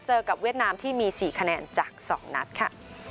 เจอกับเวียดนามที่มี๔คะแนนจาก๒นัดค่ะ